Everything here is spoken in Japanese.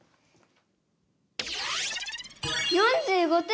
４５点！